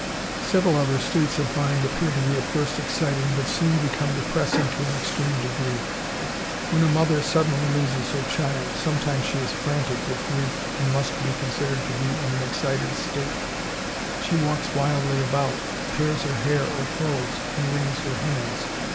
Several other states of mind appear to be at first exciting, but soon become depressing to an extreme degree. When a mother suddenly loses her child, sometimes she is frantic with grief, and must be considered to be in an excited state; she walks wildly about, tears her hair or clothes, and wrings her hands.